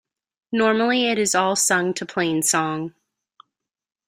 Normally it is all sung to plainsong.